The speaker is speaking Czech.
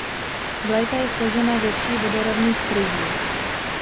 Vlajka je složena ze tří vodorovných pruhů.